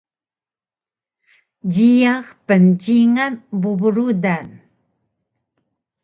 Jiyax pncingan bubu rudan